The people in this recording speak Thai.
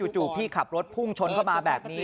จู่พี่ขับรถพุ่งชนเข้ามาแบบนี้